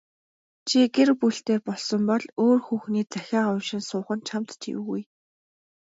Чи гэр бүлтэй болсон бол өөр хүүхний захиа уншин суух нь чамд ч эвгүй.